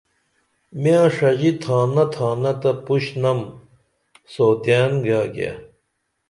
میاں ݜژی تھانہ تھانا تہ پُشنم سوتوئین گیاگیے